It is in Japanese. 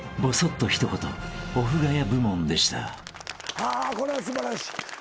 はぁこれは素晴らしい。